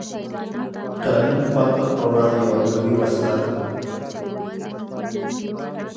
تعلیم د فقر په وړاندې یوه قوي وسله ده.